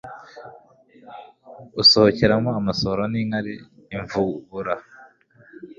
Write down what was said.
usohokeramo amasohoro n'inkari imvubura